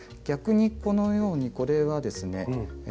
逆にこのようにこれはですね